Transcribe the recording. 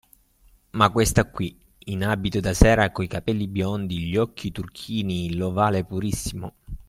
Ma questa qui, in abito da sera, coi capelli biondi, gli occhi turchini, l’ovale purissimo.